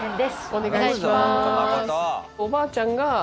お願いします。